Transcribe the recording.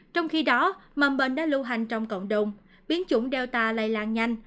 trong khi đó mầm bệnh đã lưu hành trong cộng đồng biến chủng delta lây lan nhanh